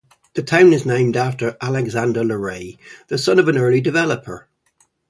The town is named after Alexander LeRay, the son of an early developer.